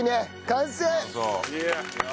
完成！